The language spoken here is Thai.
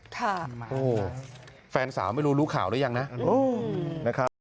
แฟนสาวไม่รู้รู้ข่าวหรือยังนะนะครับ